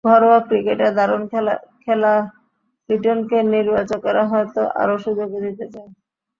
ঘরোয়া ক্রিকেটে দারুণ খেলা লিটনকে নির্বাচকেরা হয়তো আরও সুযোগই দিতে চান।